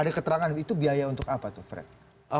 ada keterangan itu biaya untuk apa